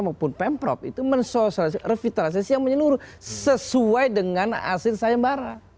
maupun pemprov itu mensosialisasi revitalisasi yang menyeluruh sesuai dengan hasil sayembara